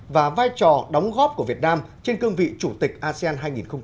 và vai trò đóng góp của việt nam trên cương vị chủ tịch asean hai nghìn hai mươi